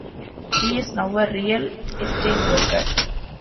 He is now a real estate broker.